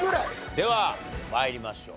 では参りましょう。